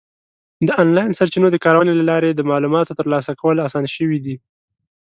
د آنلاین سرچینو د کارونې له لارې د معلوماتو ترلاسه کول اسان شوي دي.